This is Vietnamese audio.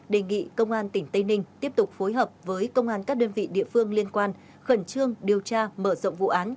đề nghị công an tỉnh tây ninh tiếp tục phối hợp với công an các đơn vị địa phương liên quan khẩn trương điều tra mở rộng vụ án